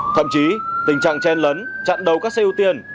thậm chí tình trạng chen lấn chặn đầu các xe ưu tiên